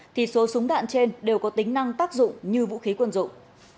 thì số súng đạn trên đều có tính năng tác dụng như vũ khí quân dụng